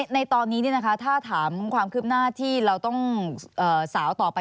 ในตอนนี้ถ้าถามความคืบหน้าที่เราต้องสาวต่อไป